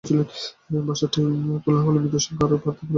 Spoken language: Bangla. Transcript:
বাসটি তোলা হলে মৃতের সংখ্যা আরও বাড়তে পারে বলে আশঙ্কা করা হচ্ছে।